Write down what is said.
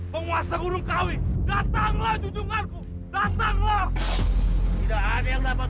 penguasa gunung kawi datanglah jujuranku datanglah tidak ada yang dapat